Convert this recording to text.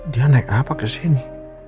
dia naik apa ke sini